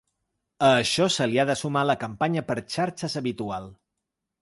A això se li ha de sumar la campanya per xarxes habitual.